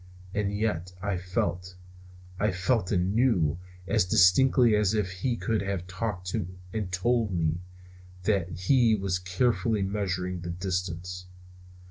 And yet I felt, I felt and knew, as distinctly as if he could have talked and told me, that he was carefully measuring the distance.